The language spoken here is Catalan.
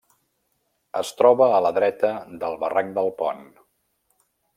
Es troba a la dreta del barranc del Pont.